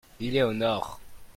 Il est au nord.